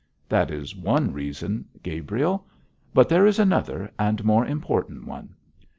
'That is one reason, Gabriel; but there is another and more important one.'